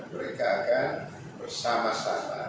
mereka akan bersama sama